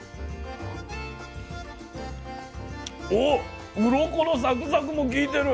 おっうろこのサクサクもきいてる。